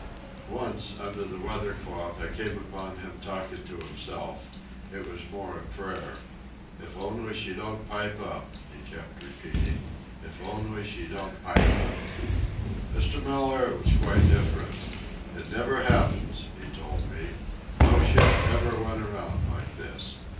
Once, under the weather cloth, I came upon him talking to himself. It was more a prayer. "If only she don't pipe up," he kept repeating. "If only she don't pipe up." Mr. Mellaire was quite different. "It never happens," he told me. "No ship ever went around like this.